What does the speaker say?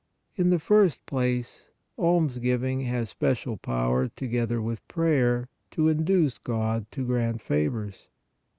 In the first place, almsgiving has special power together with prayer to induce God to grant favors.